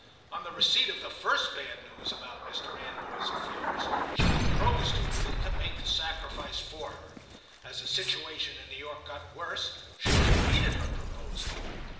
On the receipt of the first bad news about Mr. Anvoy's affairs she proposed to Ruth to make the sacrifice for her. As the situation in New York got worse she repeated her proposal."